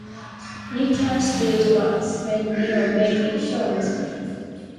You can't do drugs when you're making shows.